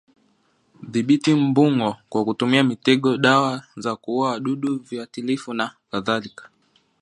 Dhibiti mbung'o kwa kutumia mitego dawa za kuua wadudu viuatilifu na kadhalika